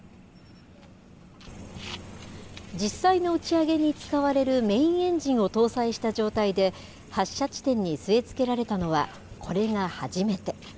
実際の打ち上げに使われるメインエンジンを搭載した状態で、発射地点に据え付けられたのはこれが初めて。